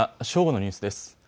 正午のニュースです。